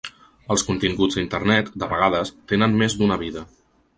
Els continguts a internet, de vegades, tenen més d’una vida.